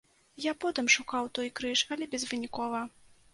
Я потым шукаў той крыж, але безвынікова.